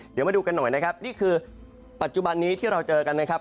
เดี๋ยวมาดูกันหน่อยนะครับนี่คือปัจจุบันนี้ที่เราเจอกันนะครับ